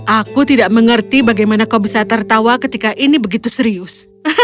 aku tidak mengerti bagaimana kau bisa tertawa ketika ini begitu serius